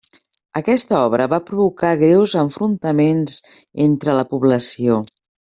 Aquesta obra va provocar greus enfrontaments entre la població.